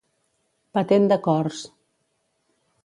Patent de cors.